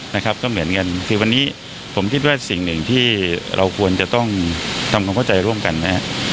นะครับก็เหมือนกันคือวันนี้ผมคิดว่าสิ่งหนึ่งที่เราควรจะต้องทำความเข้าใจร่วมกันนะฮะ